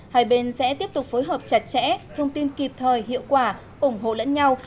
hai bên sẽ tiếp tục phối hợp chặt chẽ thông tin kịp thời hiệu quả ủng hộ lẫn nhau